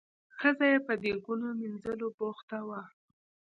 ښځه یې په دیګونو مینځلو بوخته وه.